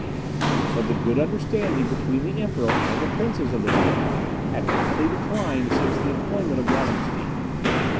But the good understanding between the Emperor and the princes of the League had rapidly declined since the employment of Wallenstein.